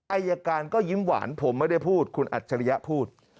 อายการก็ยิ้มหวานผมไม่ได้พูดคุณอัจฉริยะพูด